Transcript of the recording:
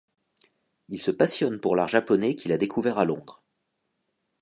Il se passionne pour l'art japonais qu'il a découvert à Londres.